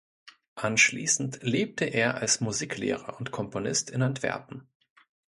Anschließend lebte er als Musiklehrer und Komponist in Antwerpen.